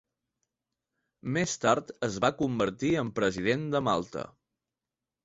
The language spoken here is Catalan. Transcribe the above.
Més tard es va convertir en President de Malta.